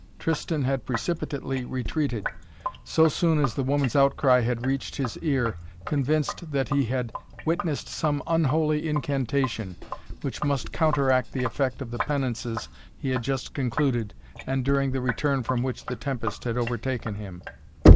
Tristan had precipitately retreated, so soon as the woman's outcry had reached his ear, convinced that he had witnessed some unholy incantation which must counteract the effect of the penances he had just concluded and during the return from which the tempest had overtaken him.